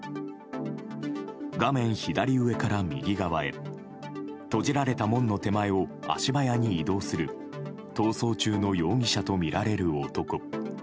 画面左上から右側へ閉じられた門の手前を足早に移動する逃走中の容疑者とみられる男。